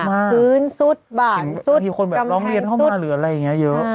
คืนสุดบ่างสุดกำแพงสุด